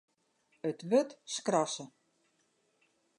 It wurd skrasse.